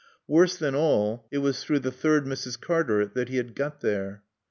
Worse than all it was through the third Mrs. Cartaret that he had got there.